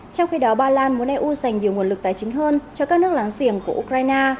trong khi đó ba lan muốn eu dành nhiều nguồn lực tài chính hơn cho các nước láng giềng của ukraine